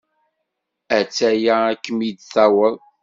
A-tt-aya ad kem-in-taweḍ.